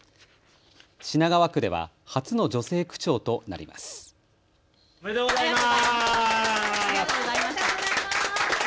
品川区では初の女性区長となります。